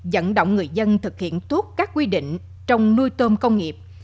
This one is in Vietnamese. dẫn động người dân thực hiện tốt các quy định trong nuôi tôm công nghiệp